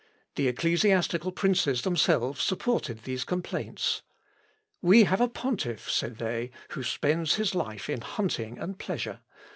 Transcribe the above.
The ecclesiastical princes themselves supported these complaints. "We have a pontiff," said they, "who spends his life in hunting and pleasure.